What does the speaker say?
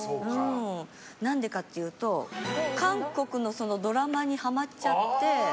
何でかっていうと韓国のドラマにハマっちゃって。